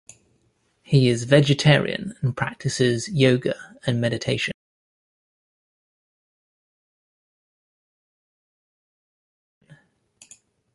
He is vegetarian and practices yoga and meditation.